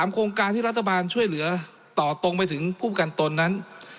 โครงการที่รัฐบาลช่วยเหลือต่อตรงไปถึงผู้ประกันตนนั้น